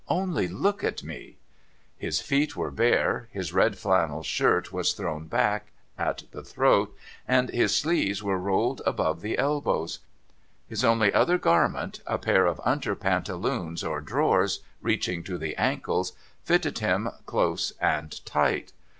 Only look at me !' His feet were bare ; his red flannel shirt was thrown back at the throat, and its sleeves were rolled above the elbows ; his only other garment, a pair of under pantaloons or drawers, reaching to the ankles, fitted him close and tight.